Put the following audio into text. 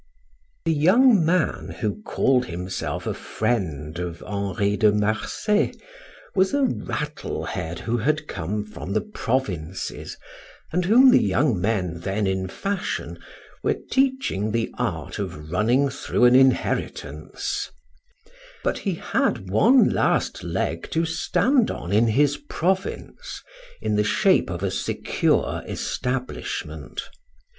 The young man who called himself a friend of Henri de Marsay was a rattle head who had come from the provinces, and whom the young men then in fashion were teaching the art of running through an inheritance; but he had one last leg to stand on in his province, in the shape of a secure establishment.